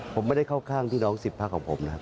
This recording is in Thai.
ผมไม่ได้เข้าข้างพี่น้อง๑๐พักของผมนะครับ